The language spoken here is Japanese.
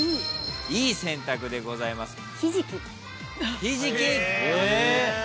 Ｅ選択でございます。